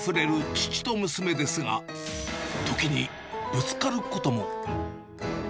父と娘ですが、時にぶつかることも。